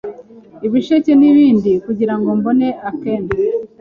ibisheke n’ibindi kugirango mbone akenda